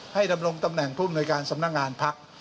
ดำรงตำแหน่งผู้อำนวยการสำนักงานพัก